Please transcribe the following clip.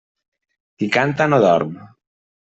Qui canta no dorm.